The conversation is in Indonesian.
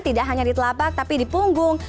tidak hanya di telapak tapi di punggung